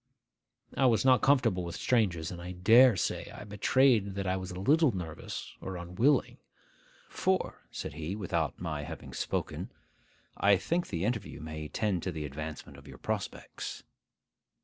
I was not comfortable with strangers, and I dare say I betrayed that I was a little nervous or unwilling. 'For,' said he, without my having spoken, 'I think the interview may tend to the advancement of your prospects.